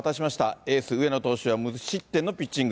エース、上野投手が無失点のピッチング。